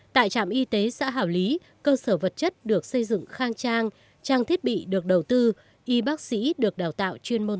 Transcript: tại trạm y tế xã hảo lý cơ sở vật chất được xây dựng khang trang trang thiết bị được đầu tư y bác sĩ được đào tạo chuyên môn